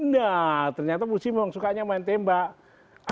nah ternyata polisi memang sukanya main tembak